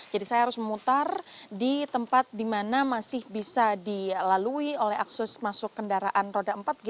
jadi saya harus memutar di tempat di mana masih bisa dilalui oleh akses masuk kendaraan roda empat